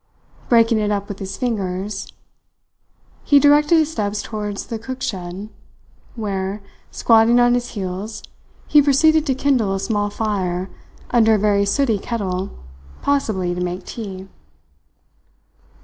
Breaking it up with his fingers, he directed his steps towards the cook shed, where, squatting on his heels, he proceeded to kindle a small fire under a very sooty kettle, possibly to make tea.